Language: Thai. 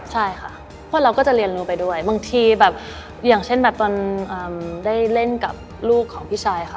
ใช่ค่ะพวกเราก็จะเรียนรู้ไปด้วยบางทีแบบอย่างเช่นแบบตอนได้เล่นกับลูกของพี่ชายค่ะ